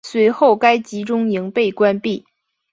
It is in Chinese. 随后该集中营被关闭。